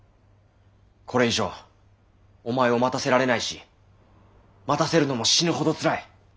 これ以上お前を待たせられないし待たせるのも死ぬほどつらい。